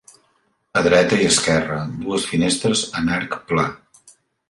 A dreta i esquerra, dues finestres en arc pla.